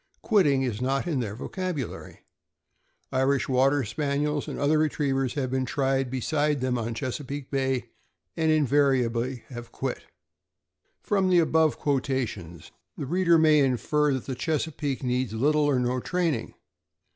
Quitting is not in their vocabulary. Irish Water Spaniels and other retrievers have been tried beside them on the Chesapeake Bay, and inva riably have quit. From the above quotations, the reader may infer that the Chesapeake needs little or no training.